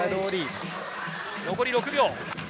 残り６秒。